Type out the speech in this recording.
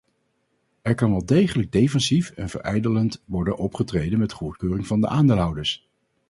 Er kan wel degelijk defensief en verijdelend worden opgetreden met goedkeuring van de aandeelhouders.